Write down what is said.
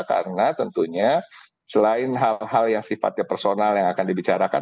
karena tentunya selain hal hal yang sifatnya personal yang akan dibicarakan